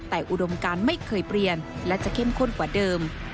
แต่อุดมการไม่เคยเปลี่ยนและจะเข้มข้นกว่าเดิม